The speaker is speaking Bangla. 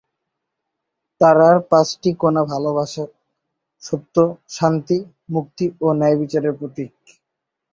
তারার পাঁচটি কোণা ভালোবাসা, সত্য, শান্তি, মুক্তি ও ন্যায়বিচারের প্রতীক।